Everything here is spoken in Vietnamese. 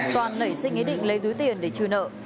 toàn nảy sinh ý định lấy túi tiền để trừ nợ